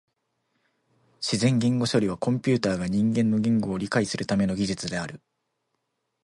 自然言語処理はコンピュータが人間の言語を理解するための技術である。